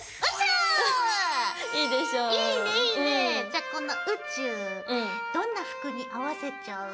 じゃあこの宇宙どんな服に合わせちゃう？